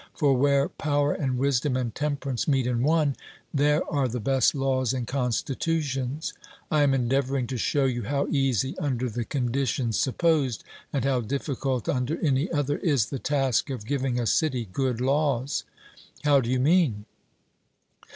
For where power and wisdom and temperance meet in one, there are the best laws and constitutions. I am endeavouring to show you how easy under the conditions supposed, and how difficult under any other, is the task of giving a city good laws. 'How do you mean?'